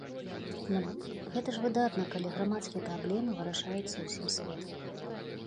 Гэта ж выдатна, калі грамадскія праблемы вырашаюцца ўсім светам!